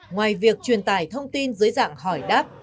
ngoài việc truyền tải thông tin dưới dạng hỏi đáp